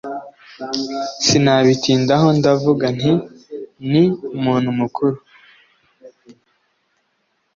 sinabitindaho ndavuga nti ni umuntu mukuru